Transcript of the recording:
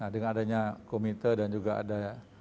dengan adanya komite dan juga ada ya